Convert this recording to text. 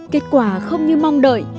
kết quả không như mong đợi